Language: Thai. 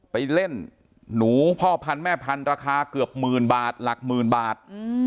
ไปเล่นหนูพ่อพันธุ์แม่พันธุ์ราคาเกือบหมื่นบาทหลักหมื่นบาท